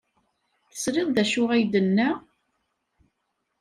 Tesliḍ d acu ay d-tenna?